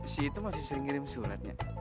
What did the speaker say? si ito masih sering kirim suratnya